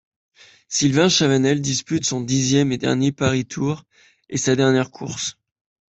Sylvain Chavanel dispute son dixième et dernier Paris-Tours et sa dernière course.